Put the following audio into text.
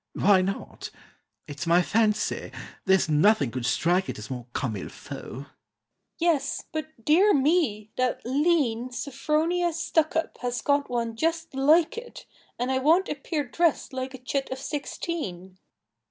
"Why not? It's my fancy, there's nothing could strike it As more comme il faut" "Yes, but, dear me! that lean Sophronia Stuckup has got one just like it, And I won't appear dressed like a chit of sixteen."